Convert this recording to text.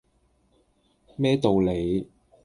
咩道理